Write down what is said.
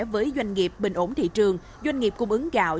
với doanh nghiệp bình ổn thị trường doanh nghiệp cung ứng gạo